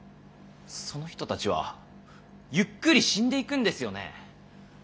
その人たちはゆっくり死んでいくんですよね。